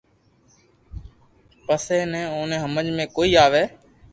پسي بي اوني ھمج مي ڪوئي آوي